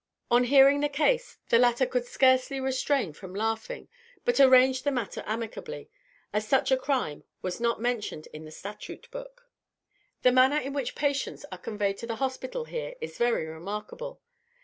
On hearing the case, the latter could scarcely restrain from laughing, but arranged the matter amicably, as such a crime was not mentioned in the statute book. The manner in which patients are conveyed to the hospital here is very remarkable.